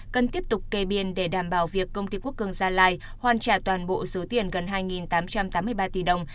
cần tiếp tục kê biên để đảm bảo việc công ty quốc cường gia lai hoàn trả toàn bộ số tiền gần hai tám trăm tám mươi ba tỷ đồng